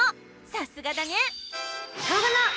さすがだね！